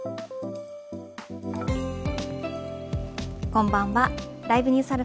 こんばんは。